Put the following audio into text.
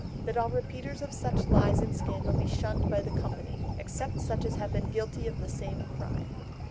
That all repeaters of such lies and scandal be shunned by the company; except such as have been guilty of the same crime.